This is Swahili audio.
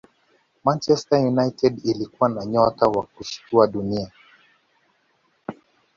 manchester united ilikuwa na nyota wa kushtua dunia